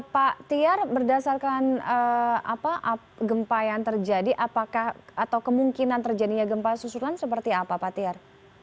pak tiar berdasarkan gempa yang terjadi apakah atau kemungkinan terjadinya gempa susulan seperti apa pak tiar